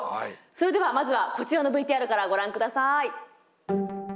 それではまずはこちらのＶＴＲからご覧ください。